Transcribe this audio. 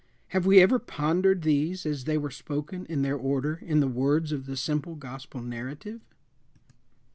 Have we ever pondered these as they were spoken in their order in the words of the simple Gospel narrative?